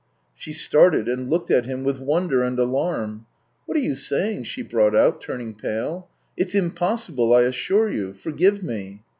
She started and looked at him with wonder and alarm. " What are you saying !" she brought out, turning pale. " It's impossible, I assure you. Forgive me."